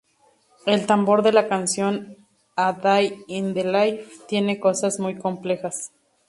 El tambor de la canción "A Day in the Life" tiene cosas muy complejas.